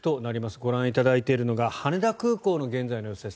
ご覧いただいているのが羽田空港の現在の様子です。